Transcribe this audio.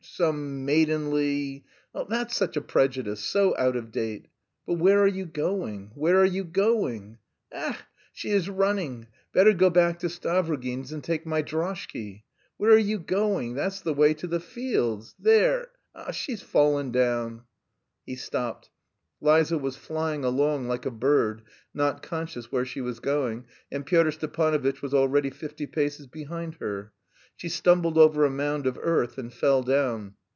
some maidenly... that's such a prejudice, so out of date... But where are you going? Where are you going? Ech! she is running! Better go back to Stavrogin's and take my droshky.... Where are you going? That's the way to the fields! There! She's fallen down!..." He stopped. Liza was flying along like a bird, not conscious where she was going, and Pyotr Stepanovitch was already fifty paces behind her. She stumbled over a mound of earth and fell down.